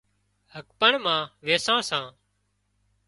هٻڪڻ مان ويسان سان